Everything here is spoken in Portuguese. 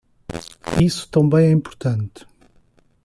Isso também é impotente